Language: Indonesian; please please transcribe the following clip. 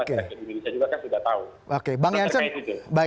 tapi partai partai indonesia juga kan sudah tahu